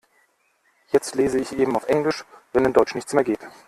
Jetzt lese ich eben auf Englisch, wenn in Deutsch nichts mehr geht.